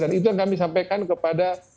dan itu yang kami sampaikan kepada